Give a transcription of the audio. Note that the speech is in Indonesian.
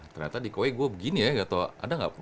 ternyata di koe gue begini ya gak tau ada nggak